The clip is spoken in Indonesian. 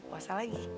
buka puasa lagi